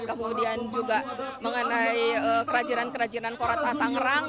kemudian juga mengenai kerajinan kerajinan kota tanggerang